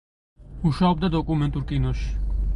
მუშაობდა დოკუმენტურ კინოში.